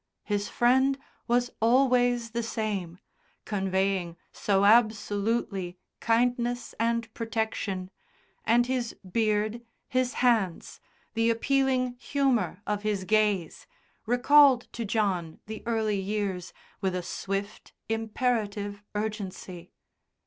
His Friend was always the same, conveying so absolutely kindness and protection, and his beard, his hands, the appealing humour of his gaze, recalled to John the early years, with a swift, imperative urgency.